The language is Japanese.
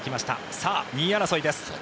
さあ、２位争いです。